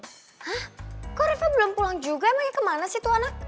hah kok reva belum pulang juga emangnya kemana sih tuh anak